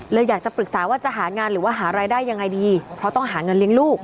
อยากจะปรึกษาว่าจะหางานหรือว่าหารายได้ยังไงดีเพราะต้องหาเงินเลี้ยงลูก